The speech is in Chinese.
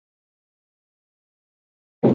下车后我看了看表